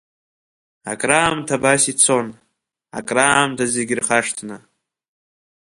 Акраамҭа абас ицон, акраамҭа зегь рхашҭны…